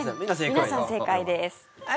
皆さん、正解です。